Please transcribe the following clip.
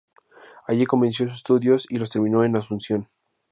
Allí comenzó sus estudios y los terminó en Asunción.